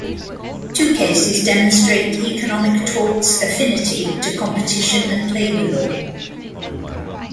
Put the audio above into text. Two cases demonstrate economic torts' affinity to competition and labour law.